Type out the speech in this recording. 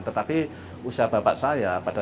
tetapi usia bapak saya